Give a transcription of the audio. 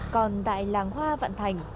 còn tại làng hoa vạn thành